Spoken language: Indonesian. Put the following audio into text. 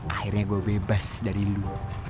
akhirnya gue bebas dari lu